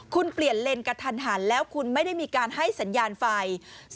คุณเปลี่ยนเลนกระทันหันแล้วคุณไม่ได้มีการให้สัญญาณไฟ